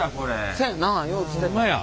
せやなよう映ってた。